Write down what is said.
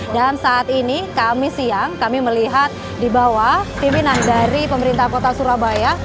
dan saat ini kami siang kami melihat di bawah pimpinan dari pemerintah kota surabaya